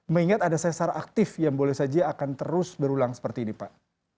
mengingat ada sesar aktif yang boleh saja akan terus berulang seperti ini pak